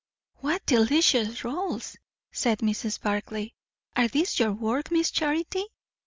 "What delicious rolls!" said Mrs. Barclay. "Are these your work, Miss Charity?"